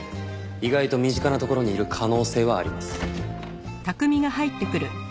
意外と身近な所にいる可能性はあります。